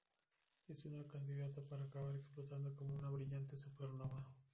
Es una candidata para acabar explotando como una brillante supernova.